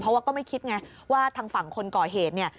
เพราะว่าก็ไม่คิดไงว่าทางฝั่งคนก่อเหตุเนี่ย